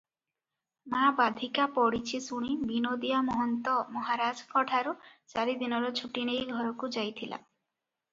ମା ବାଧିକା ପଡିଛି ଶୁଣି ବିନୋଦିଆ ମହନ୍ତ ମହାରାଜଙ୍କଠାରୁ ଚାରିଦିନର ଛୁଟି ନେଇ ଘରକୁ ଯାଇଥିଲା ।